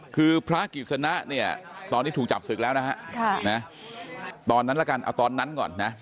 คือพระกิจสนะเนี่ยตอนนี้ถูกจับศึกแล้วนะฮะตอนนั้นละกันเอาตอนนั้นก่อนนะ